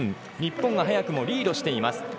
日本が早くもリードしています。